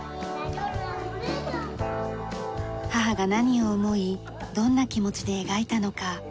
母が何を思いどんな気持ちで描いたのか。